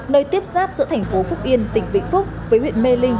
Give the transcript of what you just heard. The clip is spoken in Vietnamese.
nơi tiếp giáp giữa thành phố phúc yên tỉnh vĩnh phúc với huyện mê linh